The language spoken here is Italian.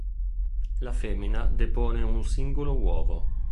La femmina depone un singolo uovo.